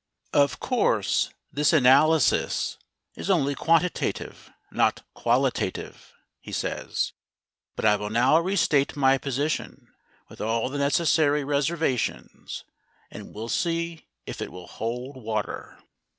"Of course this analysis is only quantitative, not qualitative," he says. "But I will now restate my position with all the necessary reservations, and we'll see if it will hold water."